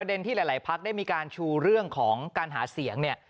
ที่หลายพักได้มีการชูเรื่องของการหาเสียงเนี่ย